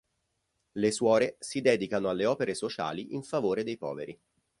Le suore si dedicano alle opere sociali in favore dei poveri.